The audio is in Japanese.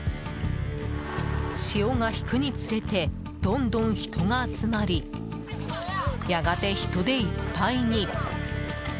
潮が引くにつれてどんどん人が集まりやがて、人でいっぱいに。